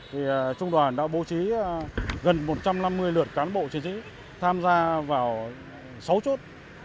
thì trung đoàn đã bố trí gần một trăm năm mươi lượt cán bộ chiến sĩ tham gia vào sáu chốt